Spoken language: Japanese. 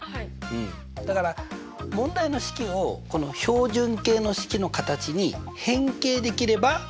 だから問題の式をこの標準形の式の形に変形できれば？